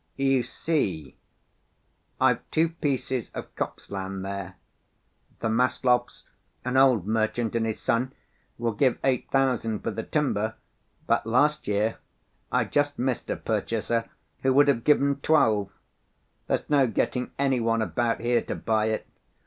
You see, I've two pieces of copse land there. The Maslovs, an old merchant and his son, will give eight thousand for the timber. But last year I just missed a purchaser who would have given twelve. There's no getting any one about here to buy it.